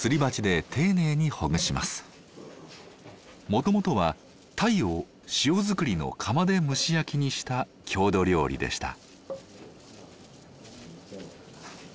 もともとはタイを塩づくりの窯で蒸し焼きにした郷土料理でした。